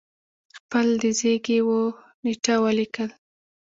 خپل د زیږی و نېټه ولیکل